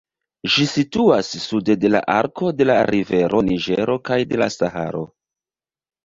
Ĝi situas sude de la arko de la rivero Niĝero kaj de la Saharo.